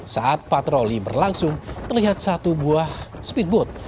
saat patroli berlangsung terlihat satu buah speedboat